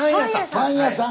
パン屋さん！